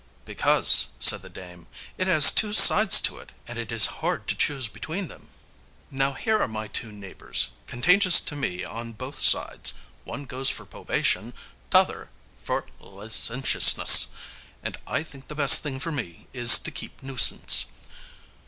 "Because," said the dame, "it has two sides to it, and it is hard to choose between them. Now here are my two neighbors, contagious to me on both sides one goes for probation, t'other for licentiousness; and I think the best thing for me is to keep nuisance."